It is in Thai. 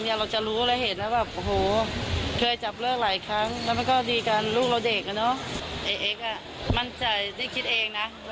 สรุปเลยคิดก็คือมัน๑๐๐